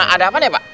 ada apa nih pak